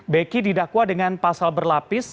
beki didakwa dengan pasal berlapis